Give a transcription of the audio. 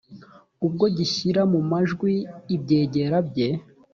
ubwo gishyira mu majwi ibyegera bye